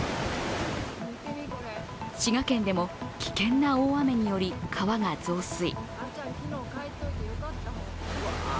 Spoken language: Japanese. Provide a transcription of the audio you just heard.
滋賀県でも危険な大雨により川が増水。